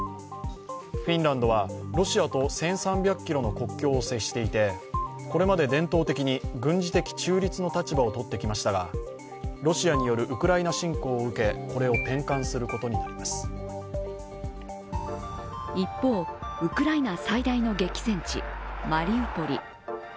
フィンランドはロシアと１３００ｋｍの国境を接していて、これまで伝統的に軍事的中立の立場をとってきましたが、ロシアによるウクライナ侵攻を受け、これを転換することになります一方、ウクライナ最大の激戦地マリウポリ。